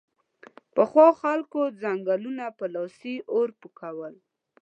پخوا خلکو ځنګلونه په لاسي ارو پیکول